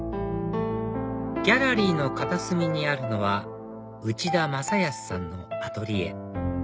ギャラリーの片隅にあるのは内田正泰さんのアトリエ